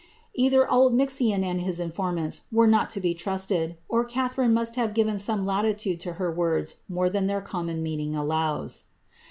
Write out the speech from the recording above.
'^' Either Oldmixon and his informant were not to be trusted, or Cbihi' rine must liave given some latitude to her words more than their eoouM meaning allows.